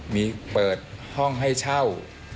มีเปิดห้องให้เช่า